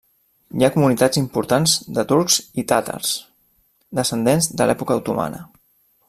Hi ha comunitats importants de turcs i tàtars, descendents de l'època otomana.